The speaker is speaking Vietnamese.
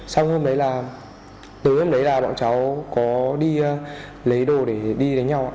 xong hôm đấy là tới hôm đấy là bọn cháu có đi lấy đồ để đi